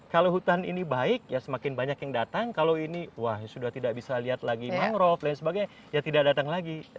kalau hutan ini baik ya semakin banyak yang datang kalau ini wah sudah tidak bisa lihat lagi mangrove dan sebagainya ya tidak datang lagi